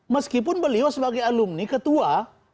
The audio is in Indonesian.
meskipun beliau sebagai alumni ketua